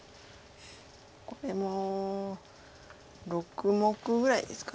これも６目ぐらいですか。